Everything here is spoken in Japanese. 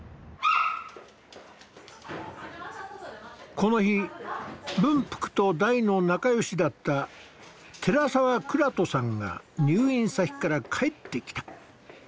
この日文福と大の仲よしだった寺澤倉人さんが入院先から帰ってきた。